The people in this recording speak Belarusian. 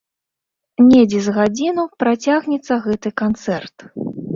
Недзе з гадзіну працягнецца гэты канцэрт.